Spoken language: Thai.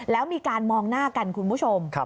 แล้วมีการมองหน้ากันคุณผู้ชม